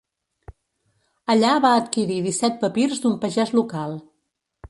Allà va adquirir disset papirs d'un pagès local.